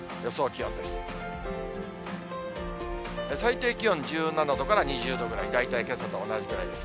最低気温１７度から２０度ぐらい、大体けさと同じぐらいです。